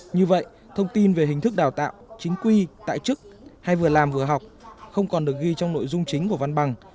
như vậy thông tin về hình thức đào tạo chính quy tại chức hay vừa làm vừa học không còn được ghi trong nội dung chính của văn bằng